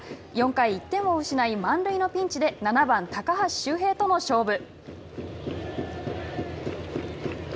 ４回、１点を失い満塁のピンチで７番、高橋周平との勝負。